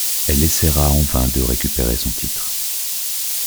Elle essayera en vain de récupérer son titre.